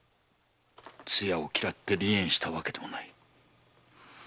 つやを嫌って離縁したわけでもない。